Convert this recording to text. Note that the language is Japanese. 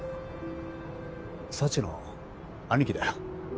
幸の兄貴だよ。